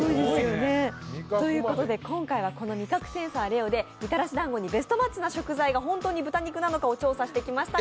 今回はこの味覚センサーレオでみたらしだんごにベストマッチな食材は本当に豚肉なのかを調査してきました